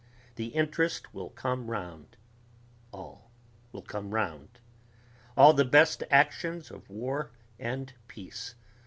The interest will come round ... all will come round. All the best actions of war and peace